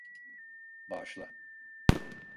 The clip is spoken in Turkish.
Bağışla.